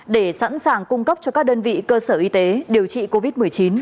để sẵn sàng cung cấp cho các đơn vị cơ sở y tế điều trị covid một mươi chín